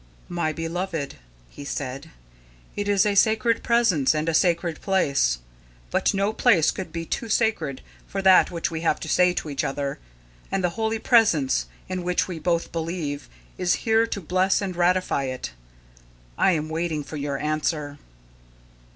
"My beloved," he said, "it is a sacred Presence and a sacred place. But no place could be too sacred for that which we have to say to each other, and the Holy Presence, in which we both believe, is here to bless and ratify it. I am waiting for your answer."